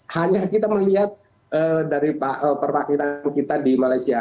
hanya kita melihat dari perwakilan kita di malaysia